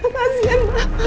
kasih aja mama